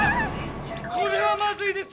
これはまずいです！